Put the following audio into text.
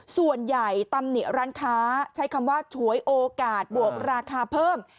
ส่วนใหญ่ตำหนี่ร้านค้าใช่คำว่าถวยโอกาสบวกราคาเพิ่ม